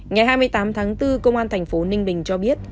ngày hai mươi tám tháng bốn công an thành phố ninh bình cho biết